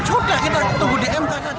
sudah kita tunggu dm pak